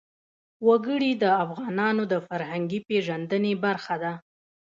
وګړي د افغانانو د فرهنګي پیژندنې برخه ده.